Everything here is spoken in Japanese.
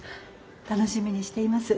楽しみにしています。